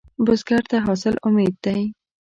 بزګر ته حاصل امید دی